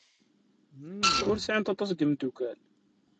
Ur sɛint aṭas n yimeddukal.